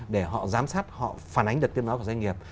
để họ giám sát họ phản ánh được tiêu nói của doanh nghiệp